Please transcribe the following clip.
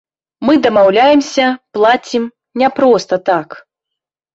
Мы дамаўляемся, плацім, не проста так.